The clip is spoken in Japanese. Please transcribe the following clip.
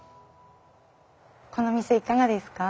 この店いかがですか？